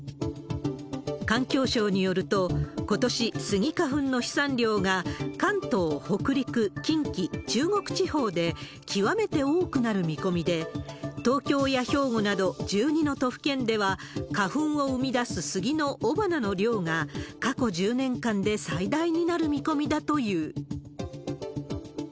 環境省によると、ことしスギ花粉の飛散量が、関東、北陸、近畿、中国地方で極めて多くなる見込みで、東京や兵庫など１２の都府県では、花粉を生み出すスギの雄花の量が、過去１０年間で最大になる見込みだという。